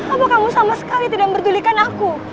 apa kamu sama sekali tidak memperdulikan aku